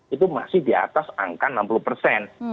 itu masih di atas angka enam puluh persen